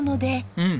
うん。